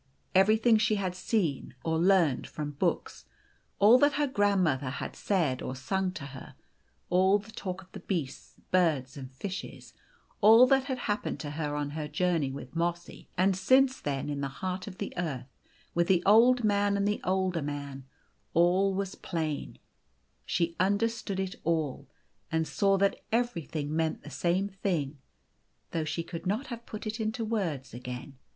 Everything she had seen, or learned from books; all that her grandmother had said or sung to her; all the talk of the beasts, birds, and fishes ; all that had happened to 206 The Golden Key on her journey with Mossy, ;m<l since then in the heart of tlie earth Avith the Old Man and the Older Man all \vas plain: she understood it all, ami saw that everything meant the same thing, though she could not have put it into words again.